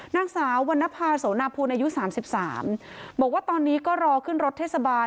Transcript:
นางสาววรรณภาโสนาภูลอายุสามสิบสามบอกว่าตอนนี้ก็รอขึ้นรถเทศบาล